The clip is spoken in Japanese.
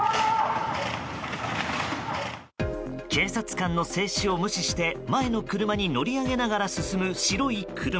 警察官の制止を無視して前の車に乗り上げながら進む白い車。